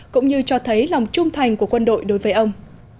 cũng như cho thấy lòng trung thành của quân đội đối với ông